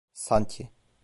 Sanki...